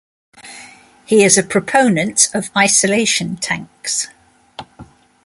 He is a proponent of isolation tanks.